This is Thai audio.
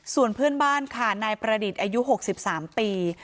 ส่วนเพื่อนบ้านค่ะนายประดิษฐ์อายุ๖๓ปี